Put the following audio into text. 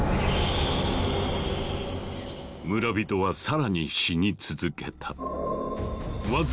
村人は更に死に続けた。